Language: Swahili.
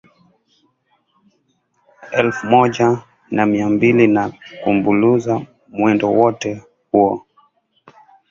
Elfu moja na mia mbilina kumbuluza mwendo wote huo